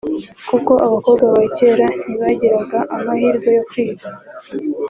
kuko abakobwa ba kera ntibagiraga amahirwe yo kwiga